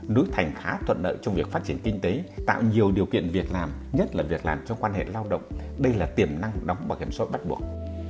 núi thành khá thuận lợi trong việc phát triển kinh tế tạo nhiều điều kiện việc làm nhất là việc làm trong quan hệ lao động đây là tiềm năng đóng bảo hiểm xã hội bắt buộc